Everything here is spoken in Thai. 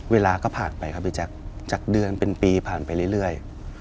เวลาก็ผ่านไปครับพี่แจ๊คจากเดือนเป็นปีผ่านไปเรื่อย